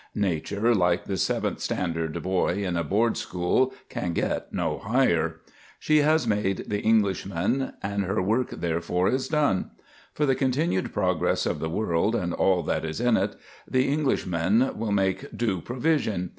Nature, like the seventh standard boy in a board school, "can get no higher." She has made the Englishman, and her work therefore is done. For the continued progress of the world and all that in it is, the Englishman will make due provision.